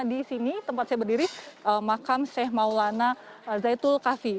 di sini tempat saya berdiri makam sheikh maulana zaitul kafi